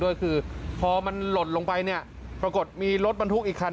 ด้วยคือพอมันหล่นลงไปเนี่ยปรากฏมีรถบรรทุกอีกคัน